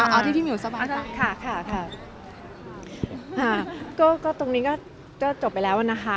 เอาที่พี่หิวสบายค่ะค่ะค่ะอ่าก็ตรงนี้ก็ก็จบไปแล้วนะคะ